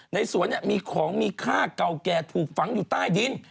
ในสวนมีของมีค่าเก่าแก่ถูกฝังอยู่ใต้ดิน